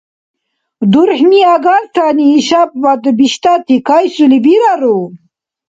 Дурхӏни агартани ишабад биштӏати кайсули бирару?